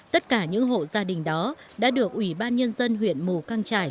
tất cả những hộ gia đình đó đã được ủy ban nhân dân huyện mù căng trải